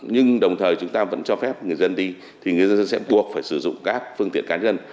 nhưng đồng thời chúng ta vẫn cho phép người dân đi thì người dân sẽ buộc phải sử dụng các phương tiện cá nhân